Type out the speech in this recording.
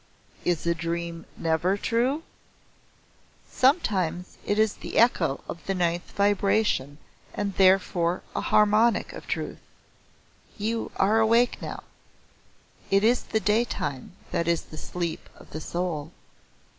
"Is a dream never true?" "Sometimes it is the echo of the Ninth Vibration and therefore a harmonic of truth. You are awake now. It is the day time that is the sleep of the soul.